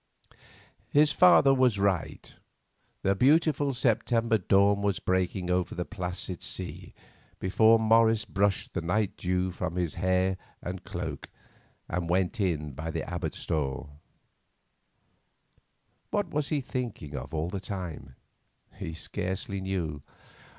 His father was right. The beautiful September dawn was breaking over the placid sea before Morris brushed the night dew from his hair and cloak, and went in by the abbot's door. What was he thinking of all the time? He scarcely knew.